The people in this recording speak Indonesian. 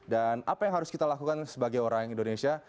dan apa yang harus kita lakukan sebagai orang indonesia